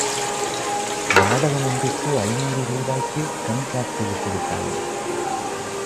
நாடகம் ஒன்றிற்கு ஐந்நூறு ரூபாய்க்கு கன்டிராக்டு விட்டு விட்டாயே!